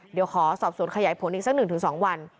เดี๋ยวขอสอบสวนขยายผลอีกสัก๑๒วัน